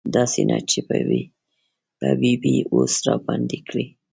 داسې نه چې په ببۍ اوس راباندې کړي.